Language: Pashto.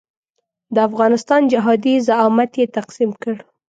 د افغانستان جهادي زعامت یې تقسیم کړ.